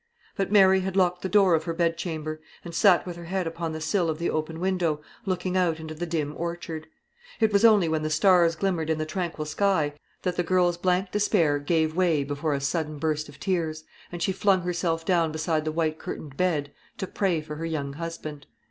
But Mary had locked the door of her bedchamber, and sat with her head upon the sill of the open window, looking out into the dim orchard. It was only when the stars glimmered in the tranquil sky that the girl's blank despair gave way before a sudden burst of tears, and she flung herself down beside the white curtained bed to pray for her young husband.